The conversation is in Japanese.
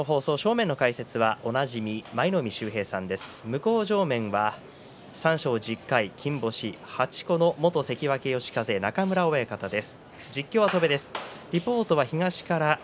向正面は三賞１０回金星８個の元関脇嘉風の中村親方です。